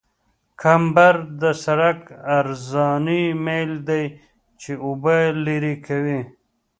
کمبر د سرک عرضاني میل دی چې اوبه لرې کوي